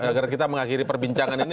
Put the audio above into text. agar kita mengakhiri perbincangan ini